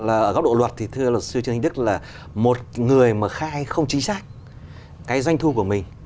là ở góc độ luật thì thưa luật sư trương anh đức là một người mà khai không chính xác cái doanh thu của mình